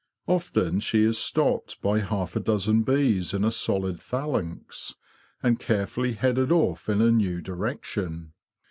Often she is stopped by half a dozen bees in a solid phalanx, and carefully headed off in a new direction.